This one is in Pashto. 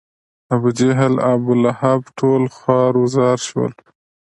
ابوجهل، ابولهب ټول خوار و زار شول.